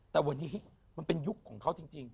แต่วันนี้มันเป็นยุคของเขาจริง